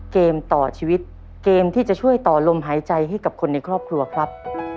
เกมต่อชีวิตเกมที่จะช่วยต่อลมหายใจให้กับคนในครอบครัวครับ